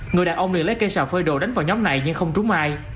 người đàn ông liền lấy cây xào phơi đồ đánh vào nhóm này nhưng không trúng ai